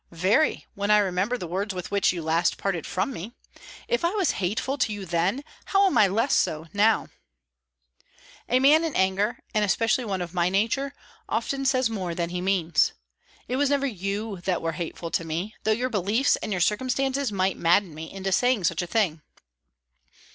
"Very, when I remember the words with which you last parted from me. If I was hateful to you then, how am I less so now?" "A man in anger, and especially one of my nature, often says more than he means. It was never you that were hateful to me, though your beliefs and your circumstances might madden me into saying such a thing."